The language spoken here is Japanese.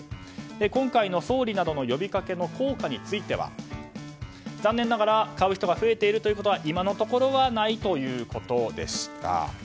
今回の総理などの呼びかけの効果については残念ながら、買う人が増えているということは今のところないということでした。